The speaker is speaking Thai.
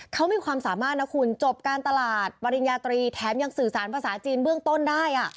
เขามีความสามารถนะคุณจบการตลาดปริญญาตรีแถมยังสื่อสารภาษาจีนเบื้องต้นได้